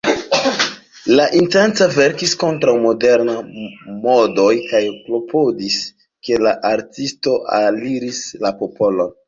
Li intence verkis kontraŭ modernaj modoj kaj klopodis ke la artistoj aliris la popolon.